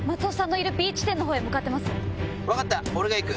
分かった俺が行く。